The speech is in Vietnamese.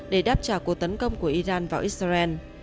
để đáp trả cuộc tấn công của iran vào israel